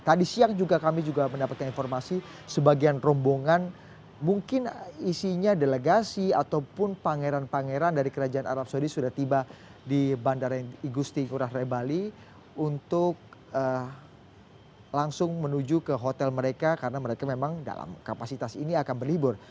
tadi siang juga kami juga mendapatkan informasi sebagian rombongan mungkin isinya delegasi ataupun pangeran pangeran dari kerajaan arab saudi sudah tiba di bandara igusti ngurah rai bali untuk langsung menuju ke hotel mereka karena mereka memang dalam kapasitas ini akan berlibur